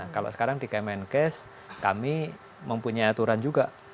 kalau sekarang di kemenkes kami mempunyai aturan juga